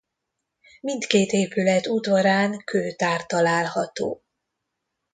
Mindkét épület udvarán kőtár található.